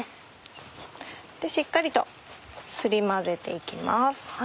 しっかりとすり混ぜて行きます。